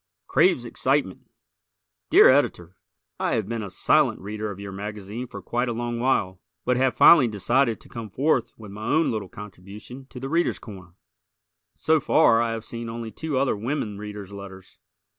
"Craves Excitement" Dear Editor: I have been a silent Reader of your magazine for quite a long while, but have finally decided to come forth with my own little contribution to "The Readers' Corner." So far I have seen only two other women Readers' letters.